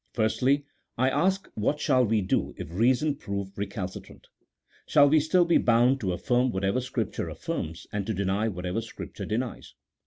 Firstly, I ask what shall we do if reason prove recalci trant ? Shall we still be bound to affirm whatever Scrip ture affirms, and to deny whatever Scripture denies